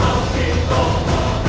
aku tidak tahu